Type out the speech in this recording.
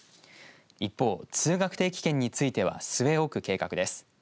一方、通学定期券については据え置く計画です。